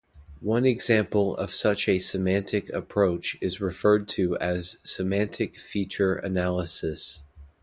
One example of a semantic approach is referred to as semantic feature analyses.